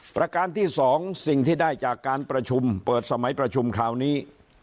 ประการที่๒สิ่งที่ได้จากการประชุมเปิดสมัยประชุมคราวนี้